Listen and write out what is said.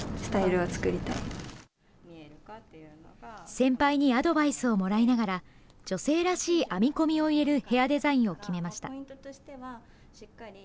先輩にアドバイスをもらいながら女性らしい編み込みを入れるヘアデザインを決めました。